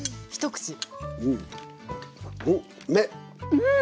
うん！